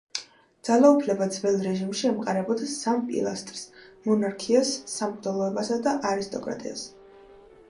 ძალაუფლება ძველ რეჟიმში ემყარებოდა სამ პილასტრს: მონარქიას, სამღვდელოებასა და არისტოკრატიას.